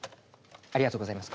ありがとうございます。